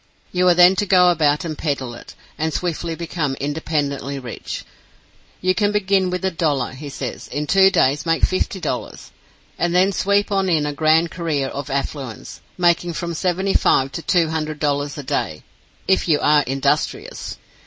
You are then to go about and peddle it, and swiftly become independently rich. You can begin with a dollar, he says; in two days make fifty dollars, and then sweep on in a grand career of affluence, making from $75 to $200 a day, "if you are industrious."